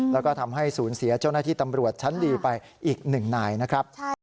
แล้วก็ทำให้สูญเสียเจ้าหน้าที่ตำรวจชั้นดีไปอีกหนึ่งนายนะครับ